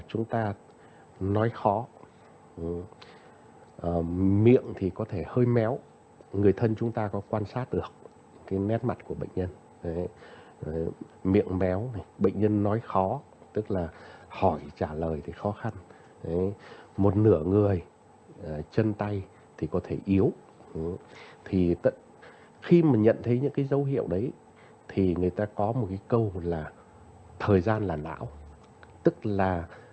chúng ta nói khó miệng thì có thể hơi méo người thân chúng ta có quan sát được cái nét mặt của bệnh nhân miệng méo bệnh nhân nói khó tức là hỏi trả lời thì khó khăn một nửa người chân tay thì có thể yếu thì khi mà nhận thấy những cái dấu hiệu đấy thì người ta có một cái câu là thời gian là lão tức là